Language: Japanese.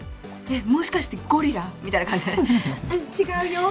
もしかしてゴリラ？みたいな感じで。